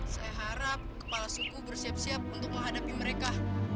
saya harap kepala suku bersiap siap untuk menghadapi mereka